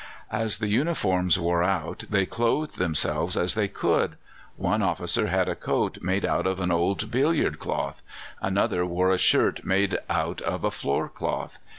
As the uniforms wore out they clothed themselves as they could. One officer had a coat made out of an old billiard cloth; another wore a shirt made out of a floor cloth.